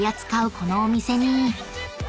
このお店に］